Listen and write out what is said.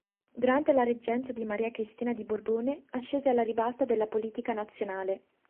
Durante la reggenza di Maria Cristina di Borbone ascese alla ribalta della politica nazionale.